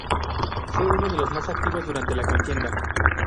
Fue uno de los más activos durante la contienda.